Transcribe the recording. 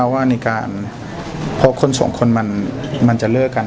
ว่าในการพอคนสองคนมันจะเลิกกัน